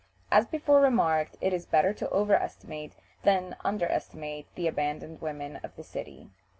As before remarked, it is better to overestimate than underestimate the abandoned women of the city.